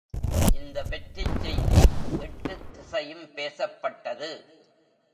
இந்த வெற்றிச் செய்தி எட்டுத் திசையும் பேசப்பட்டது.